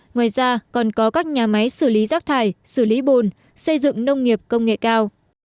ngoài ra còn có các nhà máy xử lý rác thải xử lý bồn xây dựng nông nghiệp công nghệ cao